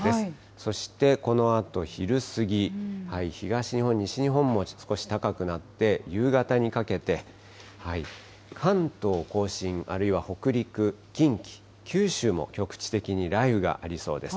そしてこのあと昼過ぎ、東日本、西日本も少し高くなって、夕方にかけて関東甲信、あるいは北陸、近畿、九州も局地的に雷雨がありそうです。